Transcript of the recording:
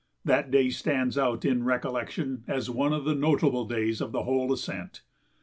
That day stands out in recollection as one of the notable days of the whole ascent.